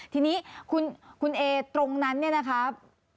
ทีนี้คุณเอตรงนั้นเนี่ยนะครับ